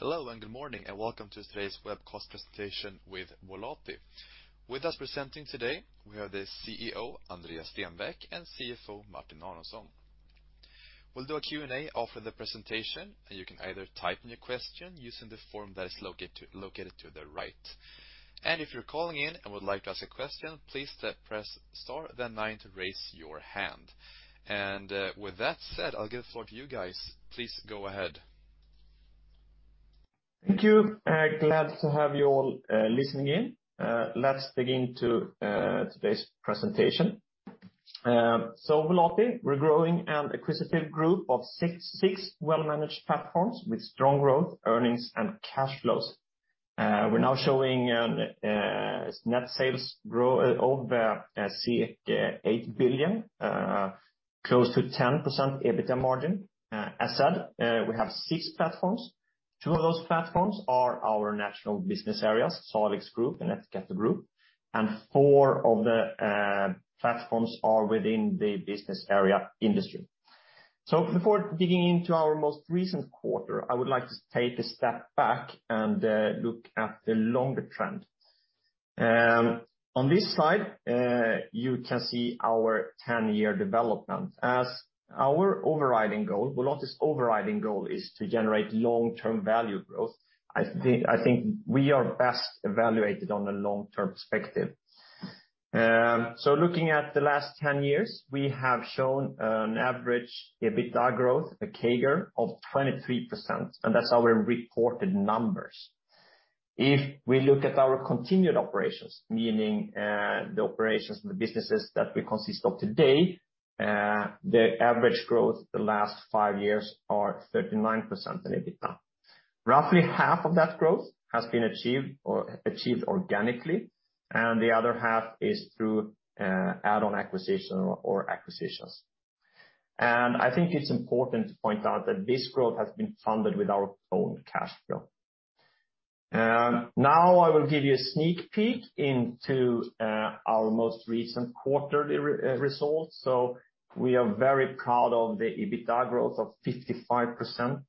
Hello, and good morning, and welcome to today's webcast presentation with Volati. With us presenting today, we have the CEO, Andreas Stenbäck, and CFO, Martin Aronsson. We'll do a Q&A after the presentation, and you can either type in your question using the form that is located to the right. If you're calling in and would like to ask a question, please press star nine to raise your hand. With that said, I'll give the floor to you guys. Please go ahead. Thank you. Glad to have you all listening in. Let's dig into today's presentation. Volati, we're growing an acquisitive group of six well-managed platforms with strong growth, earnings, and cash flows. We're now showing net sales grow over 8 billion, close to 10% EBITDA margin. As said, we have six platforms. Two of those platforms are our national business areas, Salix Group and Ettiketto Group. Four of the platforms are within the business area Industry. Before digging into our most recent quarter, I would like to take a step back and look at the longer trend. On this slide, you can see our 10-year development. As our overriding goal, Volati's overriding goal is to generate long-term value growth. I think we are best evaluated on a long-term perspective. Looking at the last 10 years, we have shown an average EBITDA growth, a CAGR of 23%, and that's our reported numbers. If we look at our continued operations, meaning the operations of the businesses that we consist of today, the average growth the last five years are 39% in EBITDA. Roughly half of that growth has been achieved organically, and the other half is through add-on acquisition or acquisitions. I think it's important to point out that this growth has been funded with our own cash flow. Now I will give you a sneak peek into our most recent quarterly re-result. We are very proud of the EBITDA growth of 55%.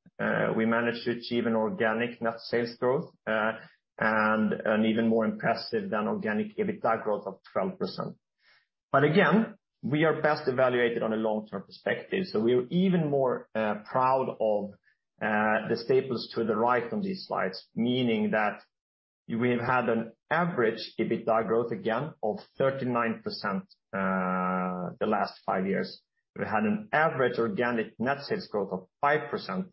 We managed to achieve an organic net sales growth, and an even more impressive than organic EBITDA growth of 12%. Again, we are best evaluated on a long-term perspective, so we are even more proud of the staples to the right on these slides. Meaning that we've had an average EBITDA growth again of 39% the last five years. We had an average organic net sales growth of 5%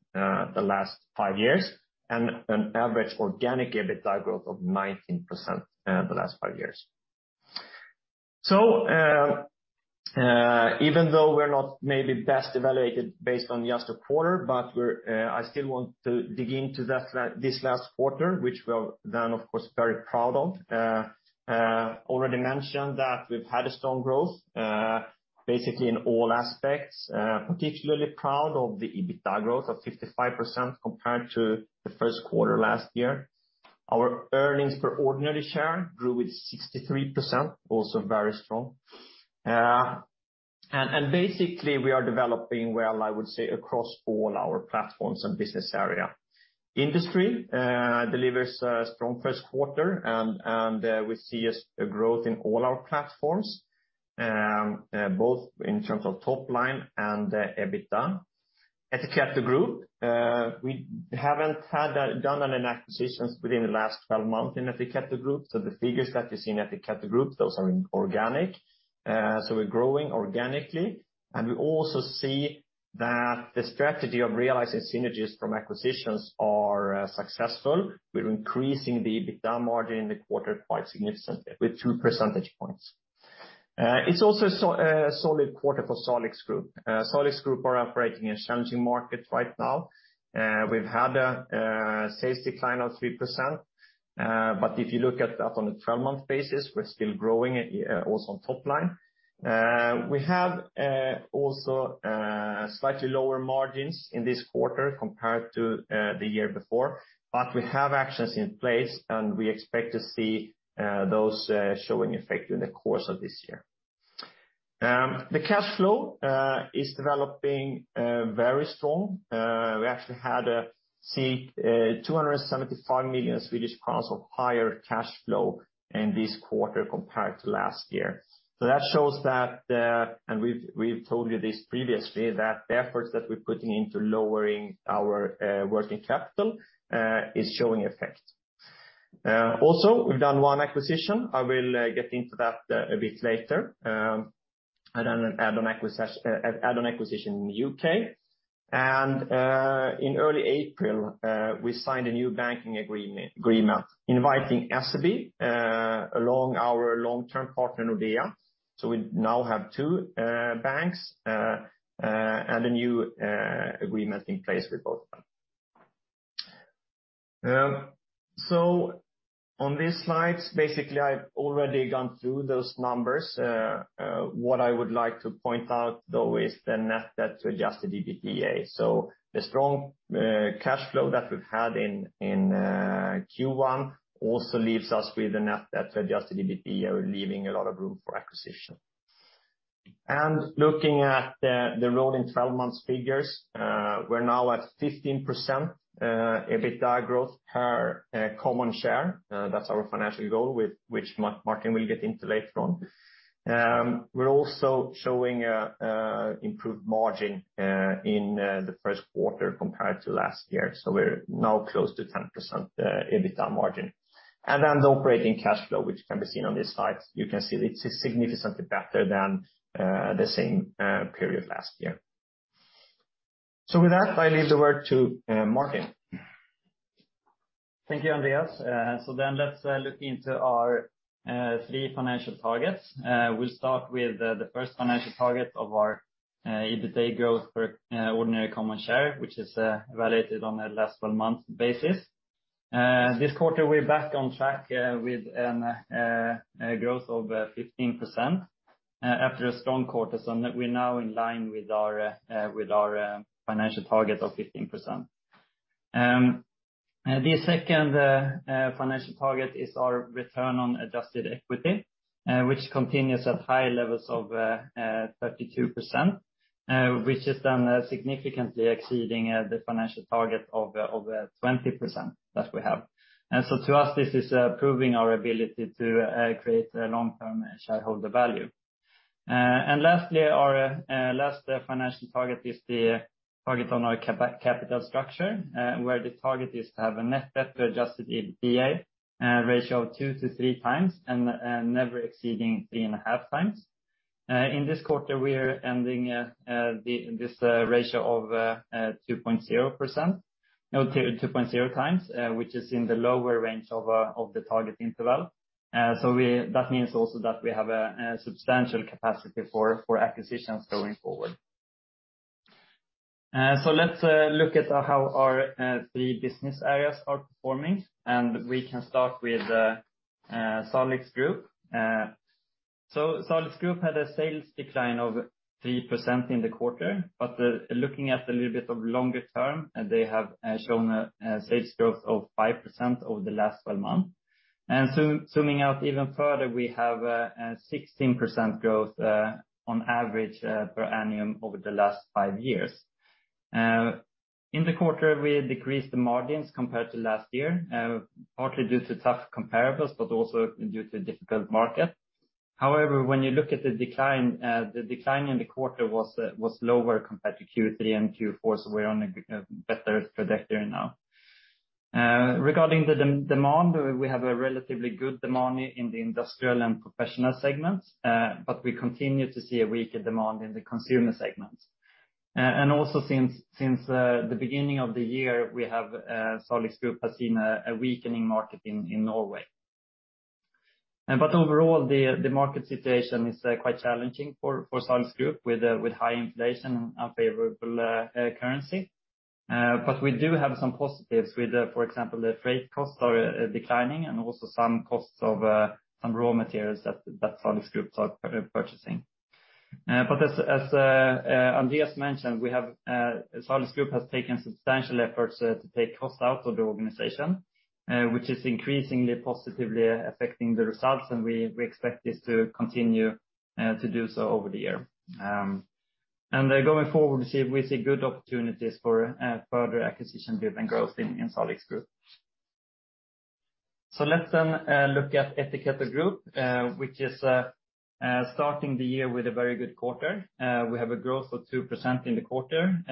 the last five years, and an average organic EBITDA growth of 19% the last five years. Even though we're not maybe best evaluated based on just a quarter, but we're, I still want to dig into this last quarter, which we're then of course, very proud of. Already mentioned that we've had a strong growth, basically in all aspects, particularly proud of the EBITDA growth of 55% compared to the first quarter last year. Our earnings per ordinary share grew with 63%, also very strong. Basically we are developing well, I would say, across all our platforms and business area. Industry delivers a strong first quarter and we see a growth in all our platforms, both in terms of top line and EBITDA. Ettiketto Group, we haven't had done any acquisitions within the last 12 months in Ettiketto Group. The figures that you see in Ettiketto Group, those are in organic. We're growing organically. We also see that the strategy of realizing synergies from acquisitions are successful. We're increasing the EBITDA margin in the quarter quite significantly with 2 percentage points. It's also a solid quarter for Salix Group. Salix Group are operating in challenging markets right now. We've had a sales decline of 3%. If you look at that on a 12-month basis, we're still growing also on top line. We have also slightly lower margins in this quarter compared to the year before, but we have actions in place, and we expect to see those showing effect during the course of this year. The cash flow is developing very strong. We actually had a 275 million Swedish crowns of higher cash flow in this quarter compared to last year. That shows that, and we've told you this previously, that the efforts that we're putting into lowering our working capital is showing effect. Also, we've done one acquisition. I will get into that a bit later. I done an add-on acquisition in the U.K. In early April, we signed a new banking agreement inviting SEB along our long-term partner, Nordea. We now have two banks, and a new agreement in place with both of them. On this slide, basically, I've already gone through those numbers. What I would like to point out, though, is the net debt to adjusted EBITDA. The strong cash flow that we've had in Q1 also leaves us with a net debt to adjusted EBITDA, leaving a lot of room for acquisition. Looking at the rolling 12 months figures, we're now at 15% EBITDA growth per common share. That's our financial goal with which Martin will get into later on. We're also showing improved margin in the first quarter compared to last year, so we're now close to 10% EBITDA margin. The operating cash flow, which can be seen on this slide. You can see it's significantly better than the same period last year. With that, I leave the word to Martin. Thank you, Andreas. Let's look into our three financial targets. We'll start with the first financial target of our EBITDA growth per ordinary common share, which is evaluated on a last 12 months basis. This quarter, we're back on track with a growth of 15% after a strong quarter. We're now in line with our financial target of 15%. The second financial target is our return on adjusted equity, which continues at high levels of 32%, which is then significantly exceeding the financial target of 20% that we have. To us, this is proving our ability to create a long-term shareholder value. Lastly, our last financial target is the target on our capital structure, where the target is to have a net debt to adjusted EBITDA ratio of 2-3 times and never exceeding 3.5 times. In this quarter, we are ending this ratio of 2.0 times, which is in the lower range of the target interval. That means also that we have a substantial capacity for acquisitions going forward. Let's look at how our three business areas are performing, and we can start with Salix Group. Salix Group had a sales decline of 3% in the quarter. Looking at a little bit of longer term, they have shown a sales growth of 5% over the last 12 months. Zooming out even further, we have 16% growth on average per annum over the last 5 years. In the quarter, we decreased the margins compared to last year, partly due to tough comparables, but also due to difficult market. However, when you look at the decline, the decline in the quarter was lower compared to Q3 and Q4, so we're on a better trajectory now. Regarding the demand, we have a relatively good demand in the industrial and professional segments, but we continue to see a weaker demand in the consumer segment. Also since the beginning of the year, we have Salix Group has seen a weakening market in Norway. Overall, the market situation is quite challenging for Salix Group with high inflation and unfavorable currency. We do have some positives with, for example, the freight costs are declining and also some costs of some raw materials that Salix Group are purchasing. As Andreas mentioned, we have Salix Group has taken substantial efforts to take costs out of the organization, which is increasingly positively affecting the results, and we expect this to continue to do so over the year. Going forward, we see good opportunities for further acquisition driven growth in Salix Group. Let's then look at Ettiketto Group, which is starting the year with a very good quarter. We have a growth of 2% in the quarter,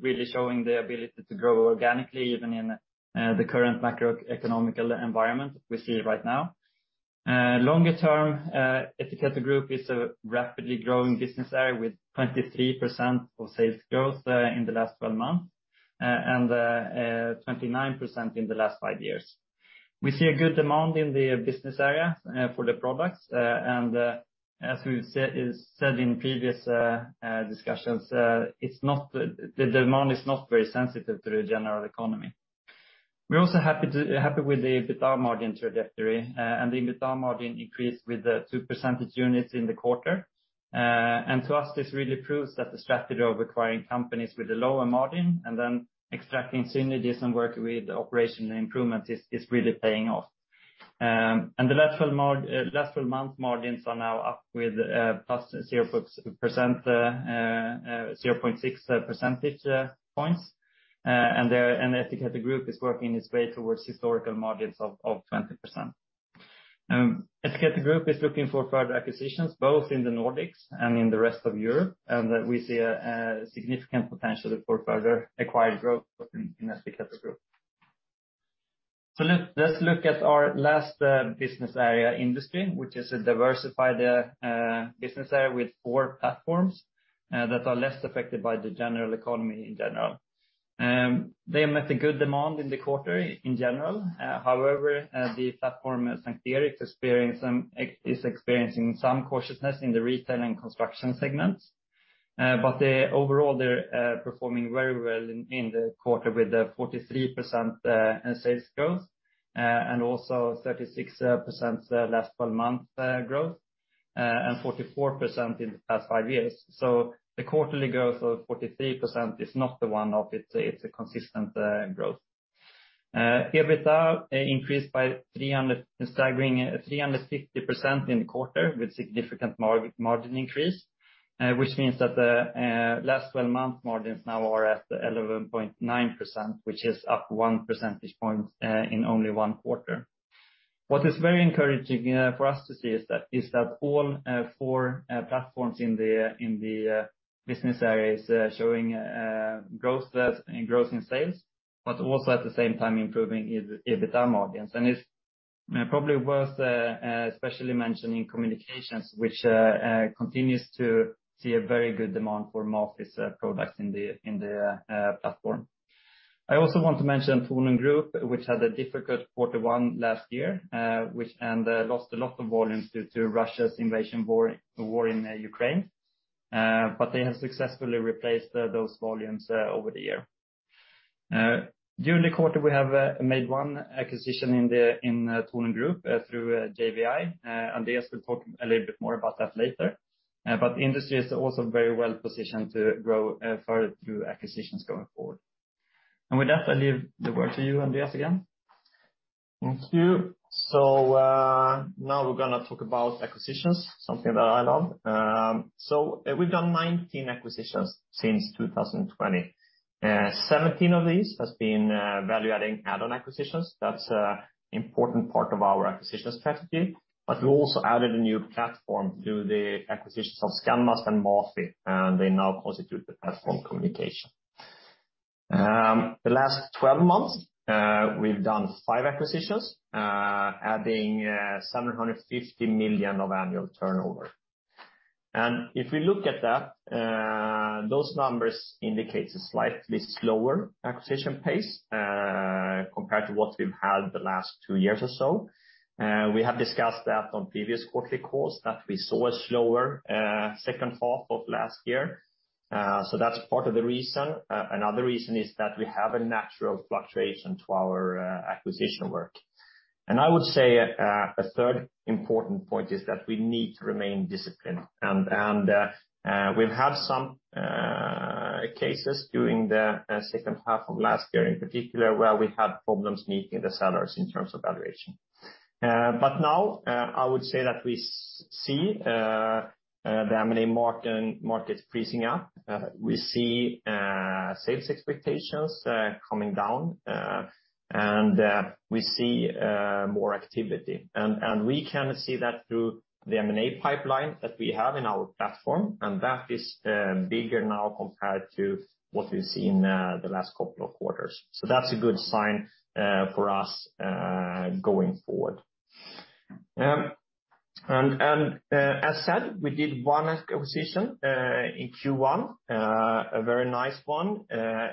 really showing the ability to grow organically, even in the current macroeconomic environment we see right now. Longer term, Ettiketto Group is a rapidly growing business area with 23% of sales growth in the last 12 months and 29% in the last five years. We see a good demand in the business area for the products, and as we said in previous discussions, the demand is not very sensitive to the general economy. We're also happy with the EBITDA margin trajectory, and the EBITDA margin increased with 2 percentage units in the quarter. To us, this really proves that the strategy of acquiring companies with a lower margin and then extracting synergies and working with operational improvements is really paying off. The last 12 months margins are now up with +0.6 percentage points. Ettiketto Group is working its way towards historical margins of 20%. Ettiketto Group is looking for further acquisitions, both in the Nordics and in the rest of Europe, and we see a significant potential for further acquired growth in Ettiketto Group. Let's look at our last business area Industry, which is a diversified business area with four platforms that are less affected by the general economy in general. They met a good demand in the quarter in general. However, the platform, S:t Eriks, is experiencing some cautiousness in the retail and construction segments. Overall, they're performing very well in the quarter with a 43% sales growth and also 36% last 12-month growth and 44% in the past five years. The quarterly growth of 43% is not the one-off. It's a consistent growth. EBITDA increased by a staggering 350% in the quarter with significant margin increase, which means that the last 12 months margins now are at 11.9%, which is up one percentage point in only one quarter. What is very encouraging for us to see is that all four platforms in the business areas showing growth in sales, but also at the same time improving EBITDA margins. It's probably worth especially mentioning communications, which continues to see a very good demand for more of these products in the platform. I also want to mention Tornum Group, which had a difficult Q1 last year, and lost a lot of volumes due to Russia's invasion war, the war in Ukraine. They have successfully replaced those volumes over the year. During the quarter, we have made one acquisition in Tornum Group through JWI. Andreas will talk a little bit more about that later. The Industry is also very well positioned to grow further through acquisitions going forward. With that, I leave the word to you, Andreas, again. Thank you. Now we're gonna talk about acquisitions, something that I love. We've done 19 acquisitions since 2020. 17 of these has been value-adding add-on acquisitions. That's a important part of our acquisitions strategy. We also added a new platform through the acquisitions of Scanmast and MAFI, and they now constitute the platform Communication. The last 12 months, we've done 5 acquisitions, adding 750 million of annual turnover. If we look at that, those numbers indicates a slightly slower acquisition pace, compared to what we've had the last two years or so. We have discussed that on previous quarterly calls that we saw a slower second half of last year. That's part of the reason. Another reason is that we have a natural fluctuation to our acquisition work. I would say a third important point is that we need to remain disciplined. We've had some cases during the second half of last year in particular, where we had problems meeting the sellers in terms of valuation. Now, I would say that we see the M&A market pleasing up. We see sales expectations coming down, and we see more activity. We can see that through the M&A pipeline that we have in our platform, and that is bigger now compared to what we see in the last couple of quarters. That's a good sign for us going forward. As said, we did one acquisition in Q1, a very nice one.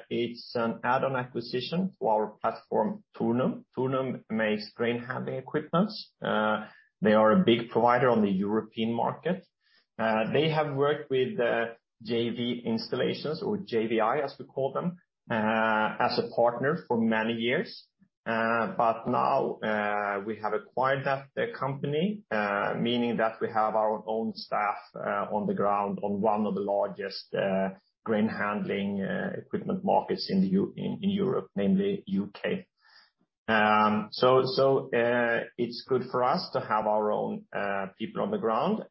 It's an add-on acquisition to our platform, Tornum. Tornum makes grain handling equipment. They are a big provider on the European market. They have worked with JW Installations, or JVI, as we call them, as a partner for many years. Now, we have acquired that company, meaning that we have our own staff on the ground on one of the largest grain handling equipment markets in Europe, namely U.K. It's good for us to have our own people on the ground.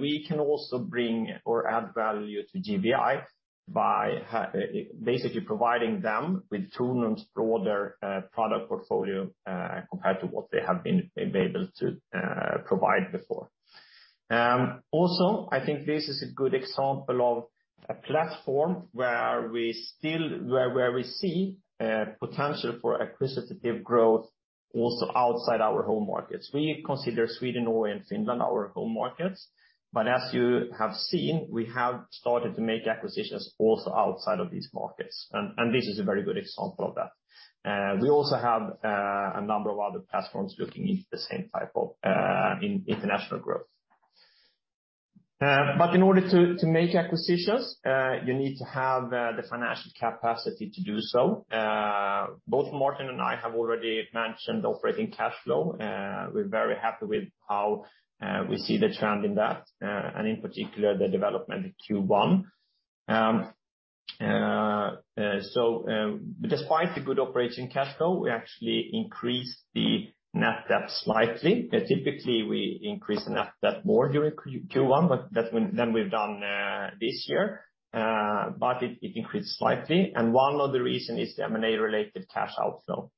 We can also bring or add value to JWI by basically providing them with Tornum's broader product portfolio compared to what they have been able to provide before. Also, I think this is a good example of a platform where we see potential for acquisitive growth also outside our home markets. We consider Sweden, Norway, and Finland our home markets, but as you have seen, we have started to make acquisitions also outside of these markets. This is a very good example of that. We also have a number of other platforms looking into the same type of international growth. In order to make acquisitions, you need to have the financial capacity to do so. Both Martin and I have already mentioned operating cash flow. We're very happy with how we see the trend in that, and in particular, the development in Q1. Despite the good operating cash flow, we actually increased the net debt slightly. Typically, we increase net debt more during Q1 than we've done this year. It increased slightly. One of the reason is the M&A-related cash outflow.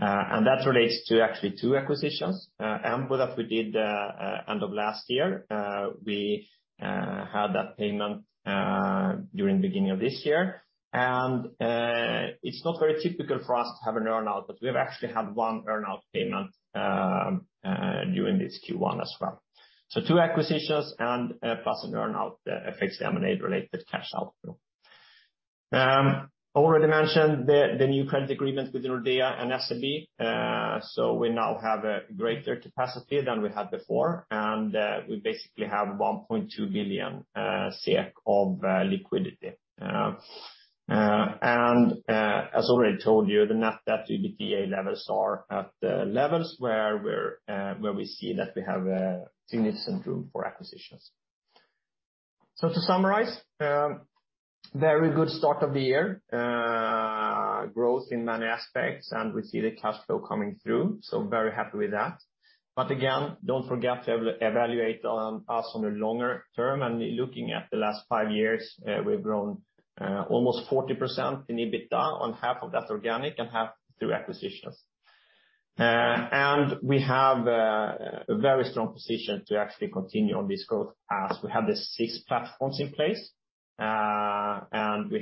That relates to actually two acquisitions, [Ambu] that we did end of last year. We had that payment during the beginning of this year. It's not very typical for us to have an earn-out, we have actually had one earn-out payment during this Q1 as well. Two acquisitions and plus an earn-out affects the M&A-related cash outflow. Already mentioned the new credit agreement with Nordea and SEB. We now have a greater capacity than we had before, we basically have 1.2 billion SEK of liquidity. As already told you, the net debt to EBITDA levels are at the levels where we see that we have significant room for acquisitions. To summarize, very good start of the year, growth in many aspects, and we see the cash flow coming through, so very happy with that. Again, don't forget to evaluate us on a longer term. Looking at the last five years, we've grown almost 40% in EBITDA, on half of that organic and half through acquisitions. We have a very strong position to actually continue on this growth as we have the six platforms in place. We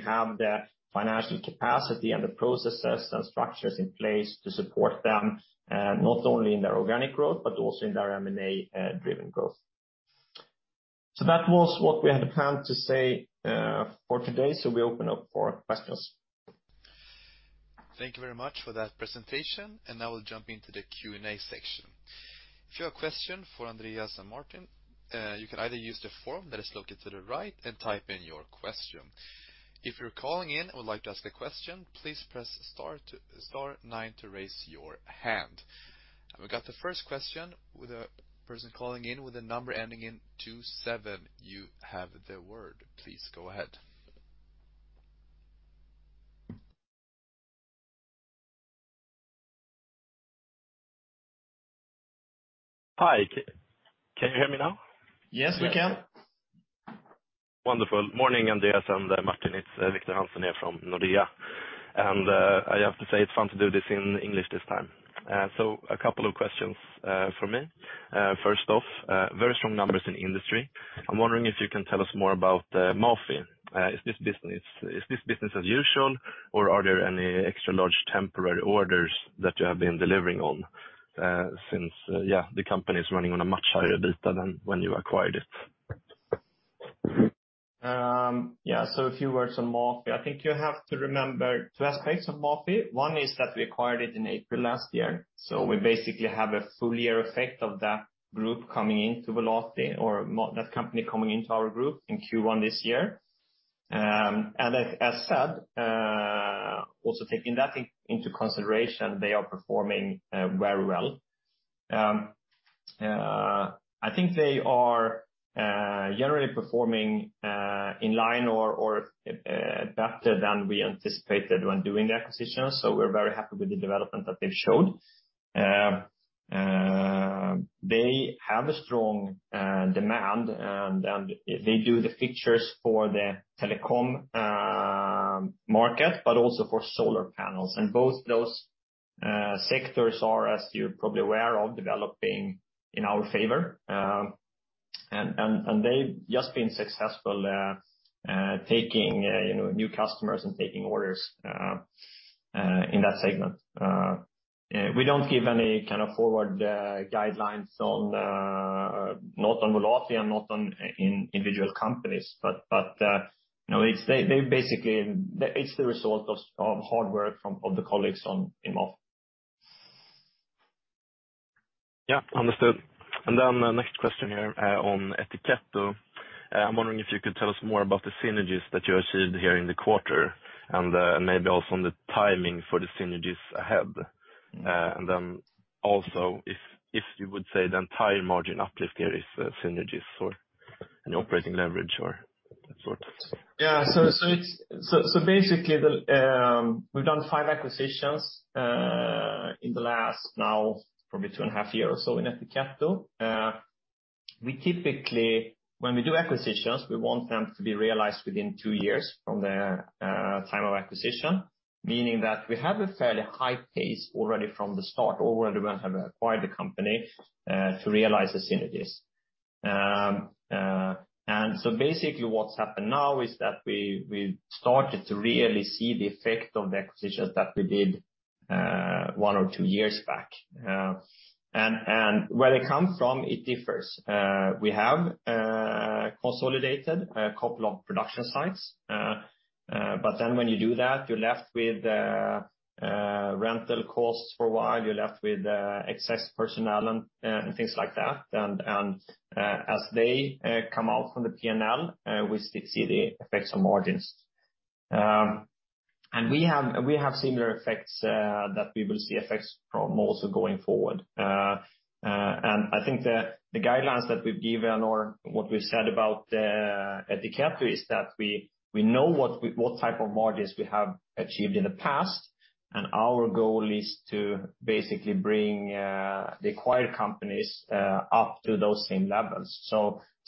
have the financial capacity and the processes and structures in place to support them, not only in their organic growth, but also in their M&A driven growth. That was what we had planned to say for today. We open up for questions. Thank you very much for that presentation. Now we'll jump into the Q&A section. If you have a question for Andreas and Martin, you can either use the form that is located to the right and type in your question. If you're calling in and would like to ask a question, please press star nine to raise your hand. We got the first question with a person calling in with a number ending in 27. You have the word. Please go ahead. Hi. Can you hear me now? Yes, we can. Wonderful. Morning, Andreas Stenbäck and Martin Aronsson. It's Victor Hansen here from Nordea. I have to say it's fun to do this in English this time. A couple of questions from me. First off, very strong numbers in Industry. I'm wondering if you can tell us more about MAFI. Is this business as usual, or are there any extra large temporary orders that you have been delivering on since, yeah, the company is running on a much higher EBITDA than when you acquired it? Yeah. A few words on MAFI. I think you have to remember two aspects of MAFI. One is that we acquired it in April last year, we basically have a full year effect of that group coming into Volati or that company coming into our group in Q1 this year. As said, also taking that into consideration, they are performing very well. I think they are generally performing in line or better than we anticipated when doing the acquisition. We're very happy with the development that they've showed. They have a strong demand, and they do the features for the telecom market, but also for solar panels. Both those sectors are, as you're probably aware of, developing in our favor. They've just been successful taking, you know, new customers and taking orders in that segment. We don't give any kind of forward guidelines on not on Volati and not on in individual companies. you know, It's the result of hard work of the colleagues in MAFI. Yeah. Understood. The next question here, on Ettiketto. I'm wondering if you could tell us more about the synergies that you achieved here in the quarter, maybe also on the timing for the synergies ahead. Also if you would say the entire margin uplift here is synergies or any operating leverage or that sort. Basically we've done five acquisitions in the last now probably 2.5 years or so in Ettiketto. We typically, when we do acquisitions, we want them to be realized within two years from the time of acquisition. Meaning that we have a fairly high pace already from the start, already when have acquired the company, to realize the synergies. Basically what's happened now is that we started to really see the effect of the acquisitions that we did one or two years back. Where they come from, it differs. We have consolidated a couple of production sites. When you do that, you're left with rental costs for a while, you're left with excess personnel and things like that. As they come out from the P&L, we see the effects on margins. We have similar effects that we will see effects from also going forward. I think the guidelines that we've given or what we've said about Ettiketto is that we know what type of margins we have achieved in the past, and our goal is to basically bring the acquired companies up to those same levels.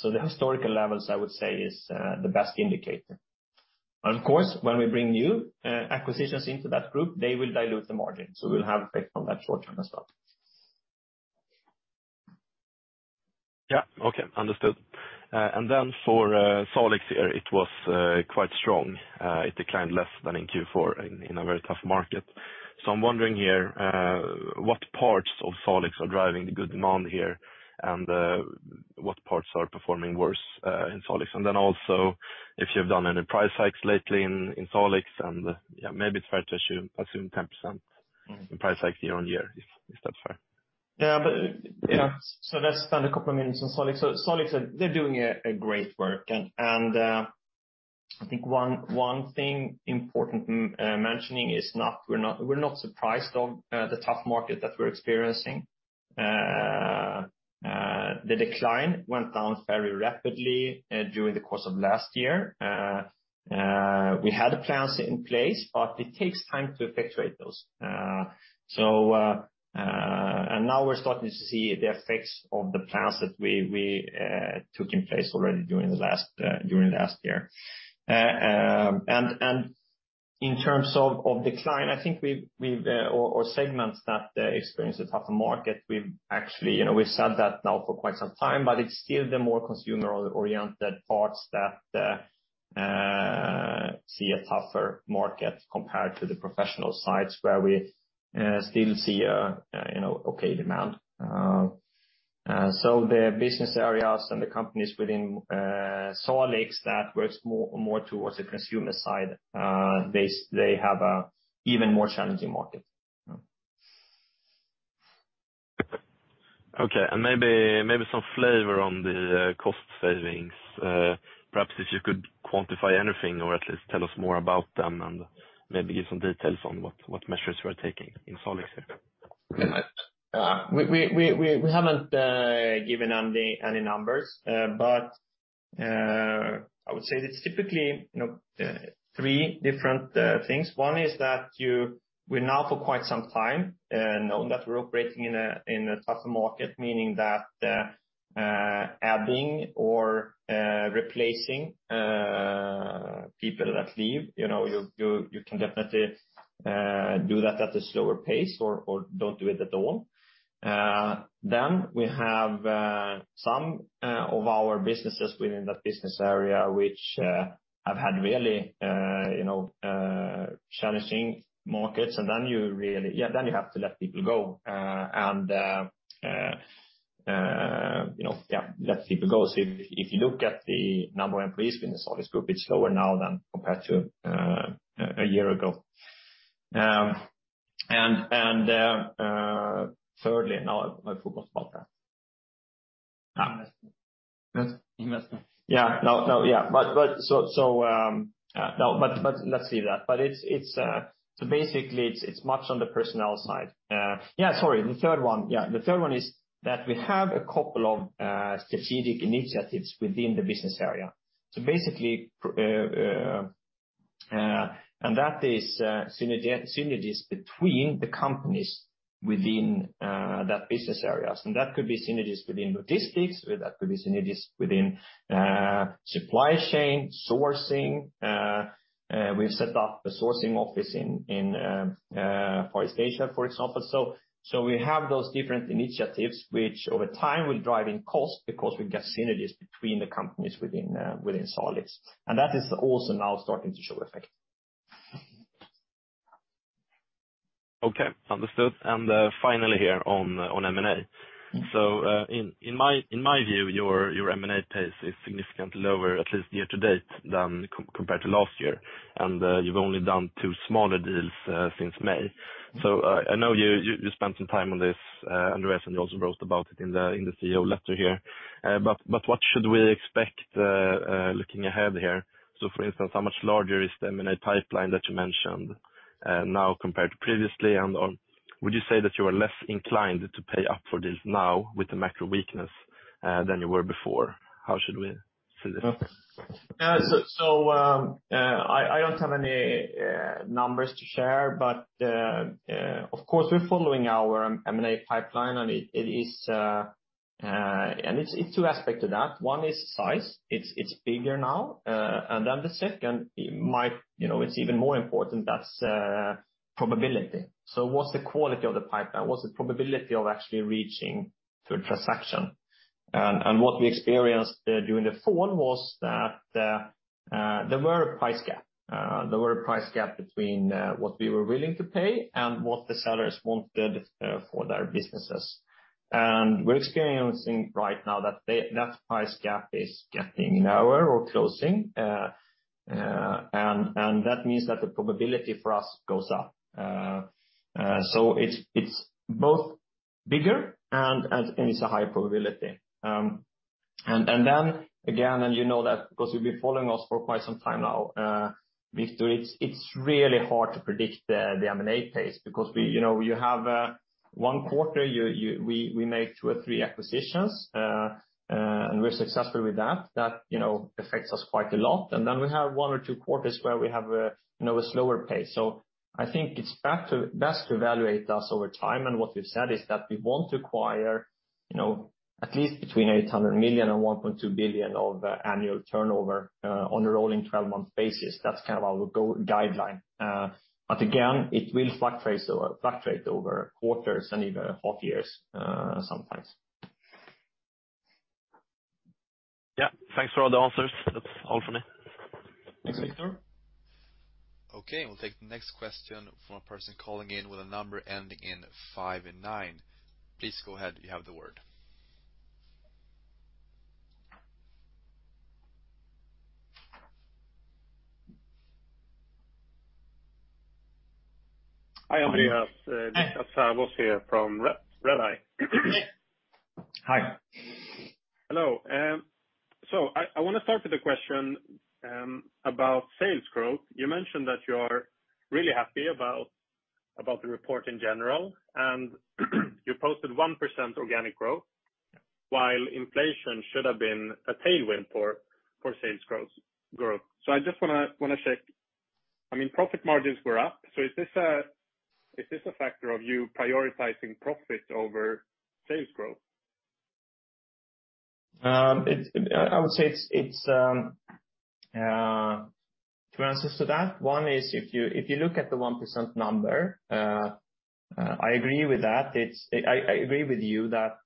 The historical levels, I would say, is the best indicator. Of course, when we bring new acquisitions into that group, they will dilute the margin. We'll have effect on that short-term as well. Yeah. Okay. Understood. And then for Salix here, it was quite strong. It declined less than in Q4 in a very tough market. I'm wondering here, what parts of Salix are driving the good demand here, and what parts are performing worse in Salix? Then also if you've done any price hikes lately in Salix and, yeah, maybe it's fair to assume 10% in price hike year-on-year, if that's fair. Yeah. You know, so let's spend a couple of minutes on Salix Group. Salix Group They're doing a great work. I think one thing important mentioning is we're not surprised of the tough market that we're experiencing. The decline went down very rapidly during the course of last year. We had plans in place, but it takes time to effectuate those. And now we're starting to see the effects of the plans that we took in place already during last year. In terms of decline, I think we've, or segments that experience a tougher market, we've actually, you know, we've said that now for quite some time, but it's still the more consumer-oriented parts that see a tougher market compared to the professional sides where we still see a, you know, okay demand. The business areas and the companies within Salix that works more, more towards the consumer side, they have a even more challenging market. Yeah. Okay. Maybe some flavor on the cost savings. Perhaps if you could quantify anything or at least tell us more about them and maybe give some details on what measures you are taking in Salix here? We haven't given any numbers. I would say it's typically, you know, three different things. One is that we're now for quite some time known that we're operating in a tougher market, meaning that adding or replacing people that leave, you know, you can definitely do that at a slower pace or don't do it at all. Then we have some of our businesses within that business area which have had really, you know, challenging markets. Yeah, then you have to let people go. You know, yeah, let people go. If you look at the number of employees within the Salix Group, it's lower now than compared to a year ago. Thirdly, now I forgot about that. Investment. Yeah. No, no. Yeah. No, let's leave that. Basically it's much on the personnel side. Yeah, sorry. The third one. Yeah, the third one is that we have a couple of strategic initiatives within the business area. Basically, and that is synergies between the companies within that business areas. That could be synergies within logistics, or that could be synergies within supply chain, sourcing. We've set up a sourcing office in Far East Asia, for example. We have those different initiatives which over time will drive in cost because we get synergies between the companies within Salix. That is also now starting to show effect. Okay. Understood. Finally here on M&A. In my view, your M&A pace is significantly lower, at least year to date, than compared to last year. You've only done two smaller deals since May. I know you spent some time on this, Andreas Stenbäck, and you also wrote about it in the CEO letter here. What should we expect looking ahead here? For instance, how much larger is the M&A pipeline that you mentioned now compared to previously? Or would you say that you are less inclined to pay up for this now with the macro weakness than you were before? How should we see this? Yeah. I don't have any numbers to share, but of course, we're following our M&A pipeline and it is. It's two aspect to that. One is size. It's bigger now. The second might, you know, it's even more important, that's probability. What's the quality of the pipeline? What's the probability of actually reaching to a transaction? What we experienced during the fall was that there were a price gap. There were a price gap between what we were willing to pay and what the sellers wanted for their businesses. We're experiencing right now that price gap is getting lower or closing. That means that the probability for us goes up. It's both bigger and it's a high probability. Then again, you know that because you've been following us for quite some time now, Victor, it's really hard to predict the M&A pace because you know, you have 1 quarter, we make two or three acquisitions and we're successful with that. That, you know, affects us quite a lot. Then we have 1 or 2 quarters where we have a slower pace. I think it's best to evaluate us over time. What we've said is that we want to acquire, you know, at least between 800 million and 1.2 billion of annual turnover on a rolling 12-month basis. That's kind of our guideline. Again, it will fluctuate over quarters and even half years, sometimes. Yeah. Thanks for all the answers. That's all from me. Thanks, Viktor. Okay. We'll take the next question from a person calling in with a number ending in 5 and 9. Please go ahead. You have the word. Hi, Andreas. Hi. It's Bosse here from Redeye. Hi. Hello. I wanna start with a question about sales growth. You mentioned that you're really happy about the report in general, you posted 1% organic growth- Yeah. while inflation should have been a tailwind for sales growth. I just wanna check. I mean, profit margins were up, is this a factor of you prioritizing profit over sales growth? I would say it's. To answer to that, 1 is if you look at the 1% number, I agree with that. I agree with you that,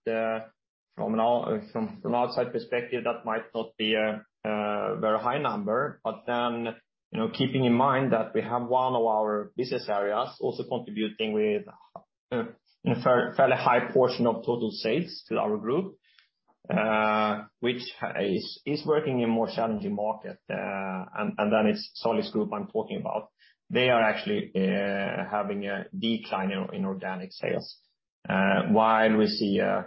from an outside perspective, that might not be a very high number. You know, keeping in mind that we have one of our business areas also contributing with a fairly high portion of total sales to our group, which is working in more challenging market. That is Salix Group I'm talking about. They are actually having a decline in organic sales, while we see a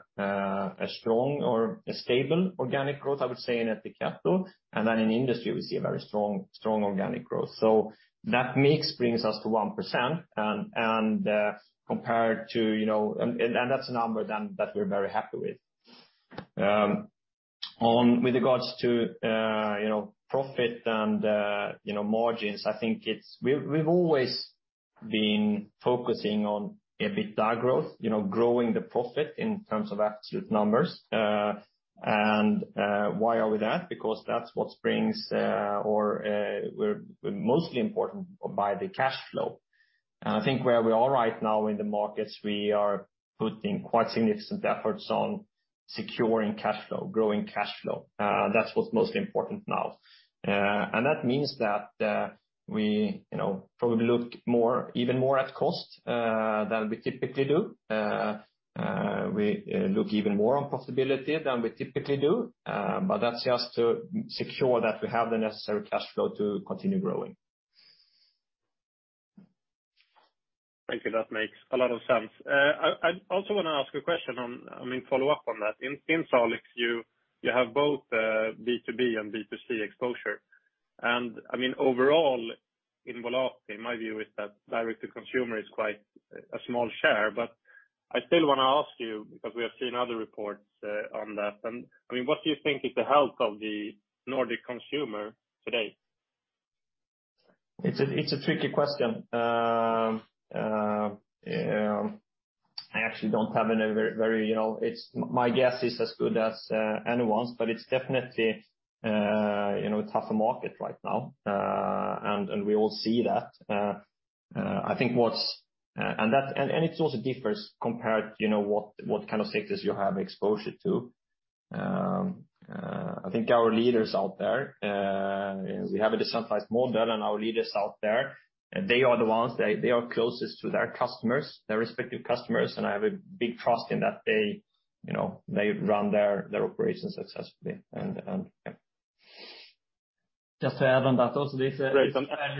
strong or a stable organic growth, I would say, in Ettiketto. Then in Industry we see a very strong organic growth. That mix brings us to one percent and, compared to, you know... That's a number then that we're very happy with. On with regards to, you know, profit and, you know, margins, I think it's... We've always been focusing on EBITDA growth, you know, growing the profit in terms of absolute numbers. Why are we that? Because that's what brings, or, we're mostly important by the cash flow. I think where we are right now in the markets, we are putting quite significant efforts on securing cash flow, growing cash flow. That's what's mostly important now. That means that we, you know, probably look more, even more at cost, than we typically do. we look even more on possibility than we typically do, but that's just to secure that we have the necessary cash flow to continue growing. Thank you. That makes a lot of sense. I'd also wanna ask a question on, I mean, follow up on that. In Salix, you have both B2B and B2C exposure. I mean, overall, in Volati, my view is that direct to consumer is quite a small share. I still wanna ask you, because we have seen other reports on that. I mean, what do you think is the health of the Nordic consumer today? It's a, it's a tricky question. I actually don't have any very... You know, my guess is as good as anyone's, but it's definitely, you know, a tougher market right now. We all see that. It also differs compared, you know, what kind of sectors you have exposure to. I think our leaders out there, we have a decentralized model, and our leaders out there, they are the ones, they are closest to their customers, their respective customers. I have a big trust in that they, you know, they run their operations successfully. Yeah. Just to add on that also, this, Great.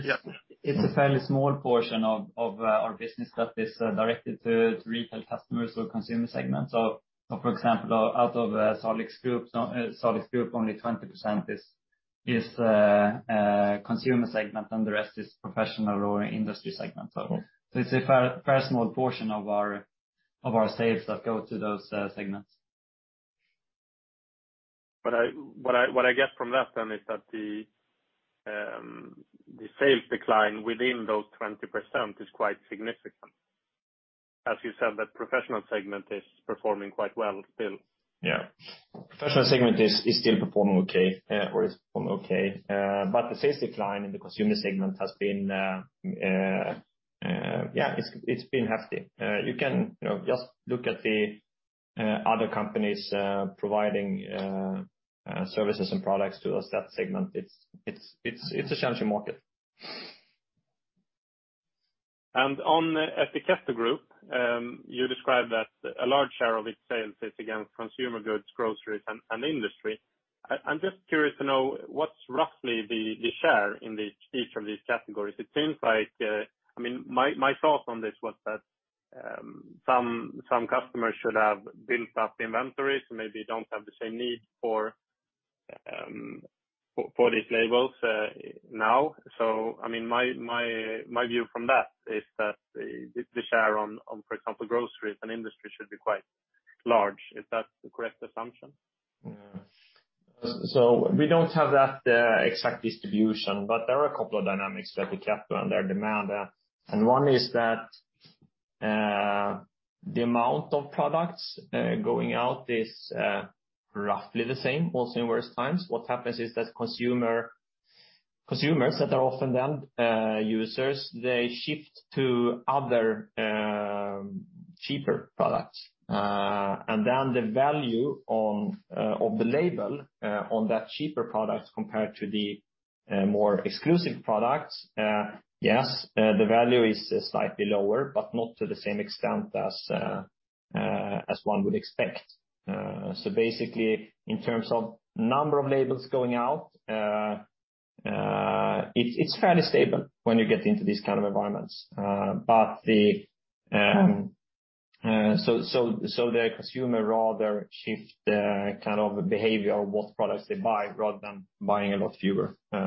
Yeah.... it's a fairly small portion of our business that is directed to retail customers or consumer segments. For example, out of Salix Group, only 20% is a consumer segment, and the rest is professional or industry segment. Okay. It's a fair small portion of our sales that go to those segments. What I get from that then is that the sales decline within those 20% is quite significant. As you said, that professional segment is performing quite well still. Yeah. Professional segment is still performing okay, or is performing okay. The sales decline in the consumer segment has been, yeah, it's been hefty. You can, you know, just look at the other companies, providing services and products to us, that segment. It's a challenging market. On Ettiketto Group, you described that a large share of its sales is against consumer goods, groceries, and Industry. I'm just curious to know what's roughly the share in each of these categories. It seems like I mean, my thought on this was that some customers should have built up inventories, maybe don't have the same need for these labels now. I mean, my view from that is that the share on, for example, groceries and Industry should be quite large. Is that the correct assumption? Yeah. We don't have that exact distribution, but there are a couple of dynamics that we kept on their demand. One is that the amount of products going out is roughly the same, all similar times. What happens is that consumers that are often the end users, they shift to other cheaper products. Then the value on of the label on that cheaper product compared to the more exclusive products, yes, the value is slightly lower, but not to the same extent as as one would expect. Basically in terms of number of labels going out, it's fairly stable when you get into these kind of environments. The. The consumer rather shift their kind of behavior, what products they buy, rather than buying a lot fewer. I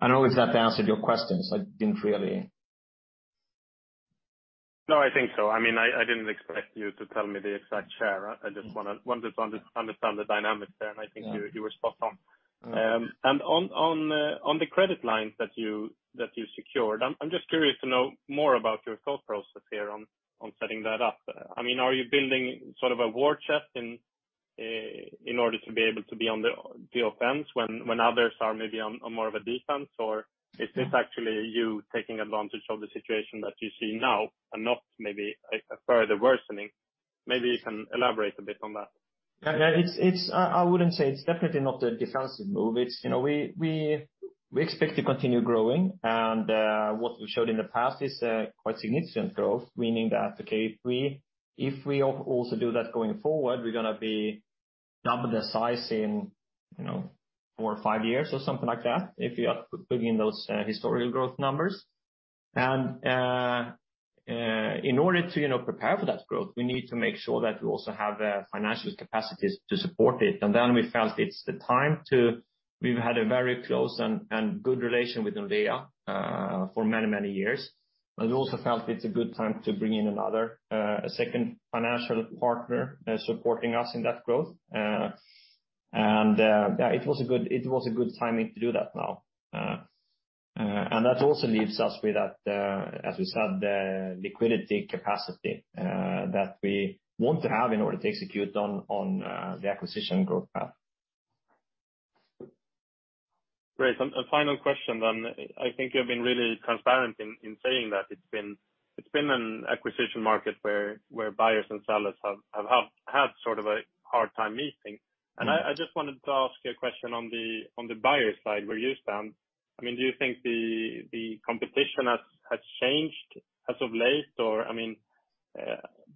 don't know if that answered your questions. I didn't really. No, I think so. I mean, I didn't expect you to tell me the exact share. I just wanted to understand the dynamics there, and I think you were spot on. On the credit line that you secured, I'm just curious to know more about your thought process here on setting that up. I mean, are you building sort of a war chest in order to be able to be on the offense when others are maybe on more of a defense? Is this actually you taking advantage of the situation that you see now and not maybe a further worsening? Maybe you can elaborate a bit on that. Yeah. I wouldn't say it's definitely not a defensive move. It's, you know, we expect to continue growing and what we've showed in the past is quite significant growth, meaning that, okay, if we also do that going forward, we're gonna be double the size in, you know, four or five years or something like that, if you are putting in those historical growth numbers. In order to, you know, prepare for that growth, we need to make sure that we also have the financial capacities to support it. We've had a very close and good relation with Nordea for many, many years. We also felt it's a good time to bring in another second financial partner supporting us in that growth. Yeah, it was a good timing to do that now. That also leaves us with that, as we said, the liquidity capacity, that we want to have in order to execute on the acquisition growth path. Great. A final question then. I think you've been really transparent in saying that it's been an acquisition market where buyers and sellers have had sort of a hard time meeting. I just wanted to ask you a question on the buyer side, where you stand. I mean, do you think the competition has changed as of late? Or, I mean,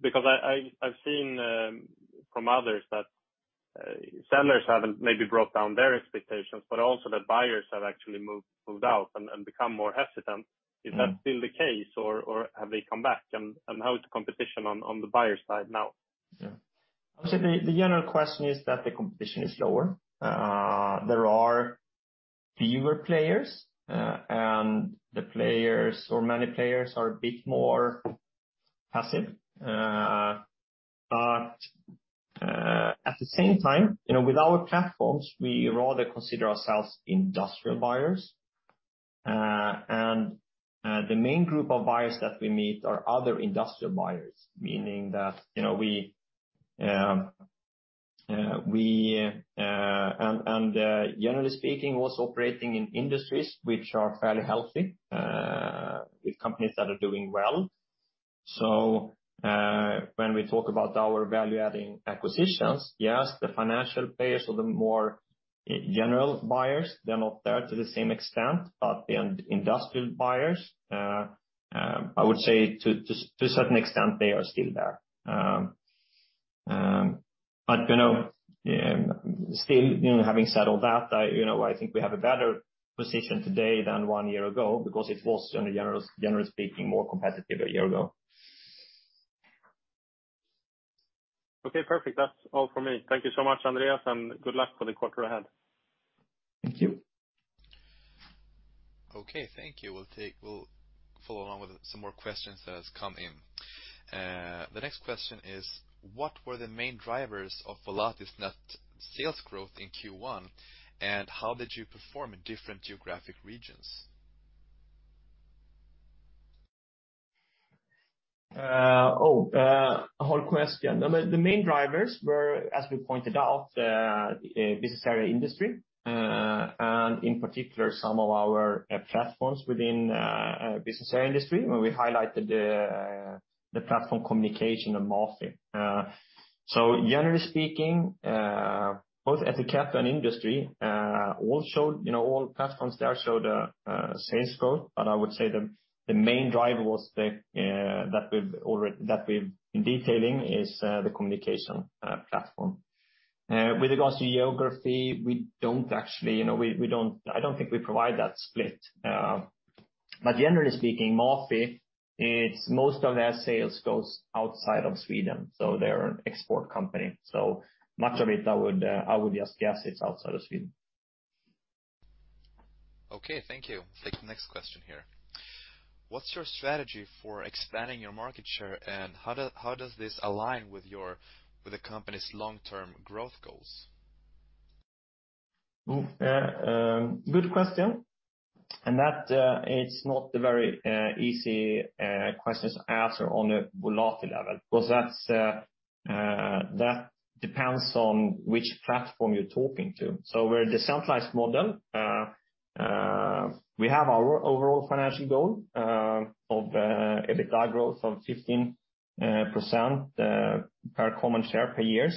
because I've seen from others that sellers haven't maybe brought down their expectations, but also that buyers have actually moved out and become more hesitant. Is that still the case or have they come back? How is the competition on the buyer side now? Yeah. I would say the general question is that the competition is lower. There are fewer players, and the players or many players are a bit more passive. At the same time, you know, with our platforms, we rather consider ourselves industrial buyers. The main group of buyers that we meet are other industrial buyers, meaning that, you know, we. Generally speaking, also operating in industries which are fairly healthy, with companies that are doing well. When we talk about our value-adding acquisitions, yes, the financial players or the more, general buyers, they're not there to the same extent. The industrial buyers, I would say to a certain extent they are still there. You know, still, you know, having said all that, I, you know, I think we have a better position today than one year ago because it was, generally speaking, more competitive a year ago. Okay, perfect. That's all for me. Thank you so much, Andreas, and good luck for the quarter ahead. Thank you. Okay, thank you. We'll follow on with some more questions that has come in. The next question is: What were the main drivers of Volati's net sales growth in Q1, and how did you perform in different geographic regions? Oh. Whole question. The main drivers were, as we pointed out, business area Industry, and in particular, some of our platforms within business area Industry, where we highlighted the platform communication of MAFI. Generally speaking, both Ettiketto and Industry, all showed, you know, all platforms there showed a sales growth, but I would say the main driver was the that we've been detailing is the communication platform. With regards to geography, we don't actually, you know, we don't think we provide that split. Generally speaking, MAFI, its most of their sales goes outside of Sweden, so they're an export company. Much of it I would just guess it's outside of Sweden. Okay, thank you. Let's take the next question here. What's your strategy for expanding your market share, and how does this align with the company's long-term growth goals? Good question, that, it's not a very easy question to answer on a Volati level 'cause that's, that depends on which platform you're talking to. Where the centralize model, we have our overall financial goal of EBITDA growth of 15% per common share per year.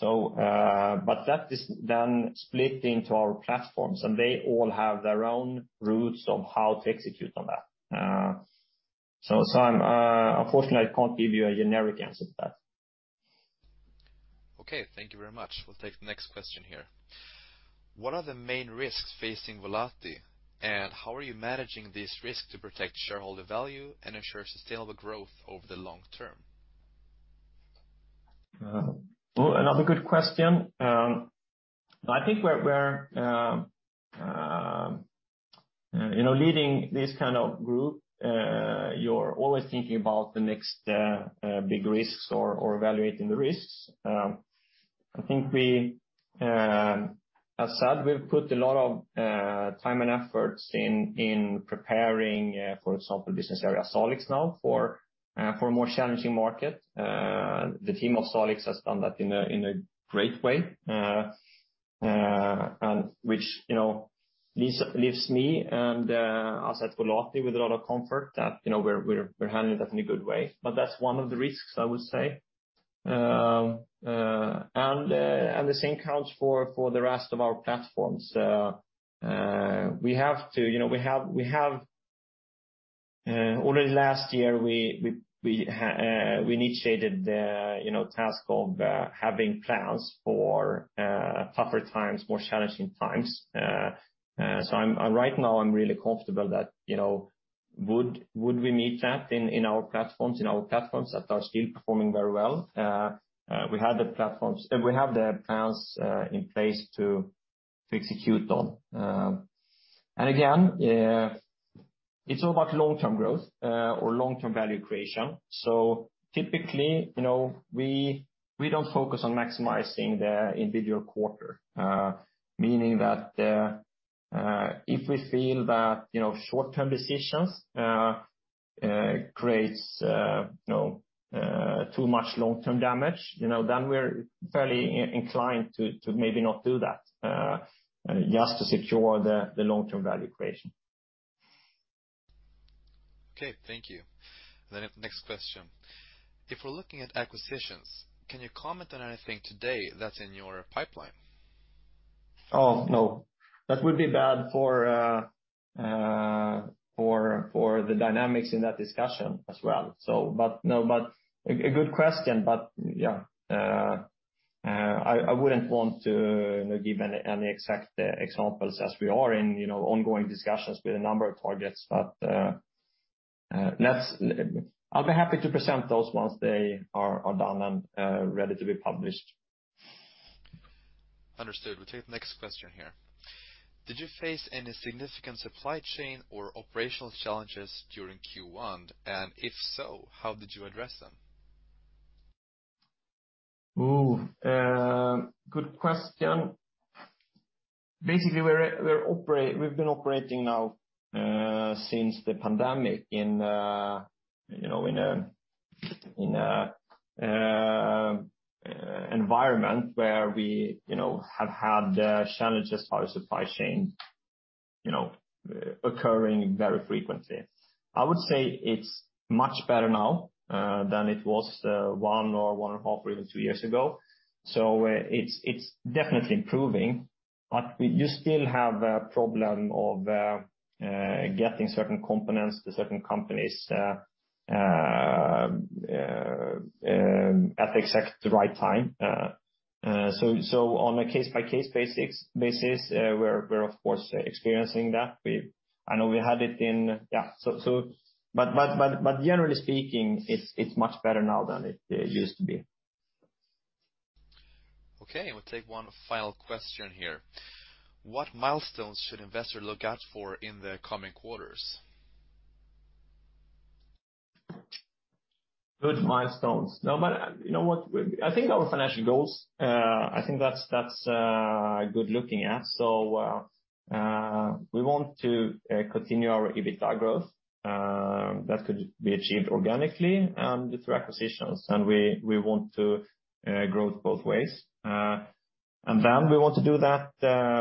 But that is then split into our platforms, and they all have their own routes of how to execute on that. I'm unfortunately, I can't give you a generic answer to that. Okay, thank you very much. We'll take the next question here. What are the main risks facing Volati, and how are you managing this risk to protect shareholder value and ensure sustainable growth over the long term? Well, another good question. I think we're, you know, leading this kind of group, you're always thinking about the next big risks or evaluating the risks. I think we, as said, we've put a lot of time and efforts in preparing, for example, business area Salix now for a more challenging market. The team of Salix has done that in a great way. Which, you know, leaves me and us at Volati with a lot of comfort that, you know, we're handling that in a good way. That's one of the risks, I would say. The same counts for the rest of our platforms. we have to... You know, we have already last year, we initiated the, you know, task of having plans for tougher times, more challenging times. Right now I'm really comfortable that, you know, would we meet that in our platforms, in our platforms that are still performing very well. We have the plans in place to execute on. Again, it's all about long-term growth or long-term value creation. Typically, you know, we don't focus on maximizing the individual quarter, meaning that, if we feel that, you know, short-term decisions, creates, you know, too much long-term damage, you know, then we're fairly inclined to maybe not do that, just to secure the long-term value creation. Okay, thank you. Next question. If we're looking at acquisitions, can you comment on anything today that's in your pipeline? No. That would be bad for the dynamics in that discussion as well. No, but a good question. Yeah, I wouldn't want to give any exact examples as we are in, you know, ongoing discussions with a number of targets. I'll be happy to present those once they are done and ready to be published. Understood. We'll take the next question here. Did you face any significant supply chain or operational challenges during Q1? If so, how did you address them? Good question. Basically, we've been operating now, since the pandemic in, you know, in a, in a environment where we, you know, have had challenges for our supply chain, you know, occurring very frequently. I would say it's much better now than it was one or one and half or even two years ago. It's definitely improving. You still have a problem of getting certain components to certain companies at exact the right time. On a case-by-case basis, we're of course experiencing that. I know we had it in. Yeah. Generally speaking, it's much better now than it used to be. Okay, we'll take one final question here. What milestones should investors look out for in the coming quarters? Good milestones. You know what? I think our financial goals, I think that's good looking at. We want to continue our EBITDA growth. That could be achieved organically and through acquisitions, and we want to grow both ways. Then we want to do that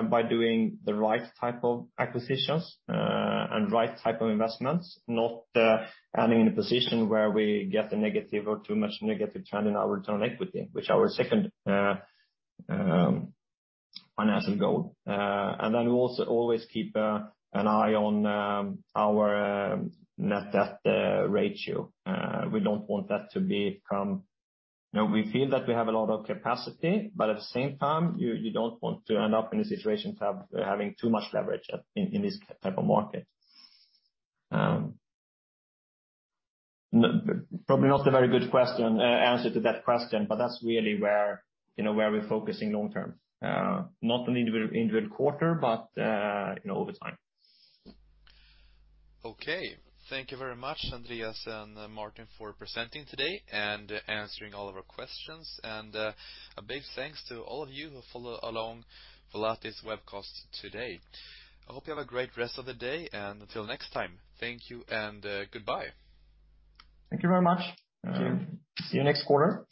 by doing the right type of acquisitions and right type of investments, not ending in a position where we get a negative or too much negative trend in our return on equity, which our second financial goal. Then we also always keep an eye on our net debt ratio. We don't want that to be from. You know, we feel that we have a lot of capacity, but at the same time, you don't want to end up in a situation having too much leverage in this type of market. Probably not a very good answer to that question, but that's really where, you know, where we're focusing long term. Not on individual quarter, but, you know, over time. Okay. Thank you very much, Andreas and Martin, for presenting today and answering all of our questions. A big thanks to all of you who follow along Volati's webcast today. I hope you have a great rest of the day, and until next time, thank you and goodbye. Thank you very much. Thank you. See you next quarter.